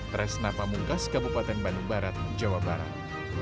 tresna pamungkas kabupaten bandung barat jawa barat